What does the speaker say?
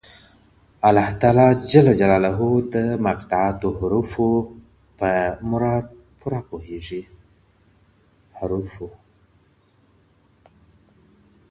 الله تعالی د مقطعاتو حروفو په مراد پوره پوهيږي.